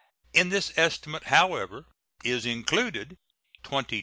In this estimate, however, is included $22,338,278.